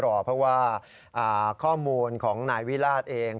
รอเพราะว่าข้อมูลของนายวิราชเอง